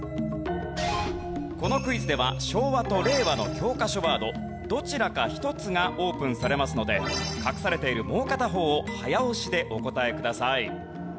このクイズでは昭和と令和の教科書ワードどちらか１つがオープンされますので隠されているもう片方を早押しでお答えください。